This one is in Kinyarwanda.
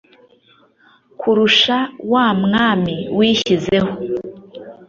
kurusha wa mwami wishyizeho